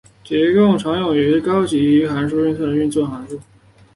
提供用于常用高级数学运算的运算函数。